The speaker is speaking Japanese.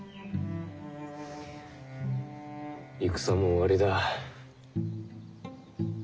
戦も終わりだ。